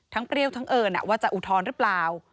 ทั้งเปรี้ยวทั้งเอิญน่ะว่าจะอุทนหรือเปล่า